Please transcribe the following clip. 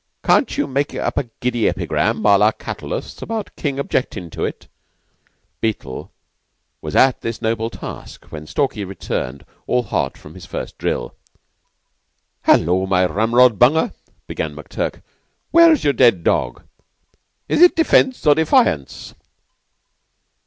Can't you make up a giddy epigram, à la Catullus, about King objectin' to it?" Beetle was at this noble task when Stalky returned all hot from his first drill. "Hullo, my ramrod bunger!" began McTurk. "Where's your dead dog? Is it Defence or Defiance?"